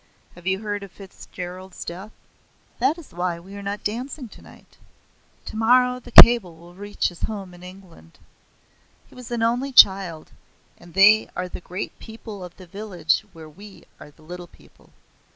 Have you heard of Fitzgerald's death?" "That is why we are not dancing tonight. Tomorrow the cable will reach his home in England. He was an only child, and they are the great people of the village where we are the little people.